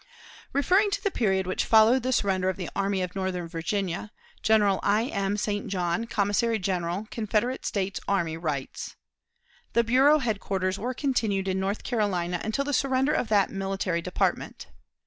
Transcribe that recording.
Referring to the period which followed the surrender of the Army of Northern Virginia, General I. M. St. John, Commissary General Confederate States Army, writes: "The bureau headquarters were continued in North Carolina until the surrender of that military department.